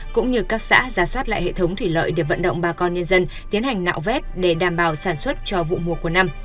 cũng như các xã ra soát lại hệ thống thủy lợi để vận động bà con nhân dân tiến hành nạo vét để đảm bảo sản xuất cho vụ mùa của năm